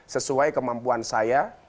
sesuai kemampuan saya